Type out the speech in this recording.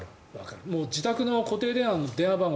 自宅の固定電話の電話番号